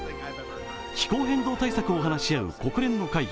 気候変動対策を話し合う国連の会議